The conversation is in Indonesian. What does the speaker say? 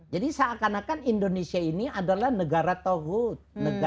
jadi seakan akan indonesia ini adalah negara tohud